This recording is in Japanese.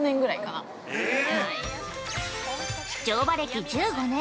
◆乗馬歴１５年！